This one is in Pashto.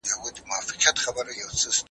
سل مي ښځي له مېړونو جلا كړي